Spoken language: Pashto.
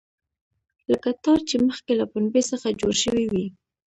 لکه تار چې مخکې له پنبې څخه جوړ شوی وي.